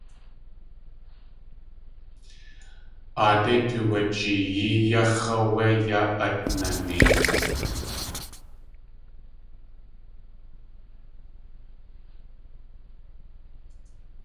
Aadéi tuwajeeyí yáx̲ áwé yaa at nanein.